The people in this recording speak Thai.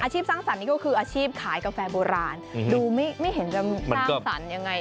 สร้างสรรคนี้ก็คืออาชีพขายกาแฟโบราณดูไม่เห็นจะสร้างสรรค์ยังไง